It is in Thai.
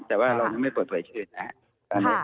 แต่ว่าเรายังไม่เปิดเผยชื่อนะครับ